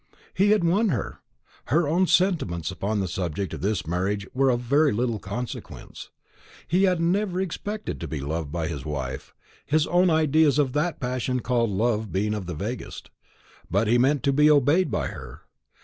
He had won her; her own sentiments upon the subject of this marriage were of very little consequence. He had never expected to be loved by his wife, his own ideas of that passion called love being of the vaguest; but he meant to be obeyed by her.